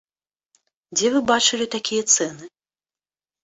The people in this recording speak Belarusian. Дзе вы бачылі такія цэны.